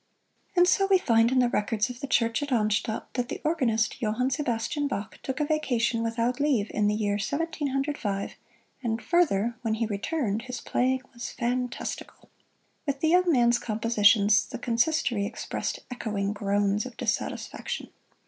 And so we find in the records of the Church at Arnstadt that the organist, Johann Sebastian Bach, took a vacation without leave in the year Seventeen Hundred Five, and further, when he returned his playing was "fantastical." With the young man's compositions the Consistory expressed echoing groans of dissatisfaction.